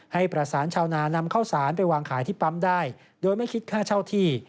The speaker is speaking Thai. ให้ประสานชาวนานำข้าวสารไปวางขายที่ปั๊มได้โดยไม่คิดค่าเช่าที่